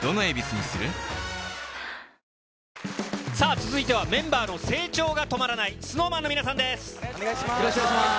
続いては、メンバーの成長が止まらないＳｎｏｗＭａｎの皆さんです。